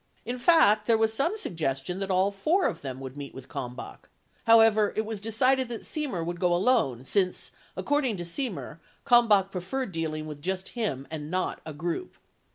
55 In fact, there was some suggestion that all four of them would meet with Kalmbach. 56 However, it was decided that Semer would go alone, since, according to Semer, Kalmbach preferred dealing with just him and not a group.